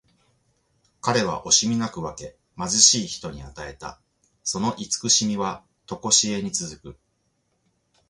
彼は惜しみなく分け、貧しい人に与えた。その慈しみはとこしえに続く。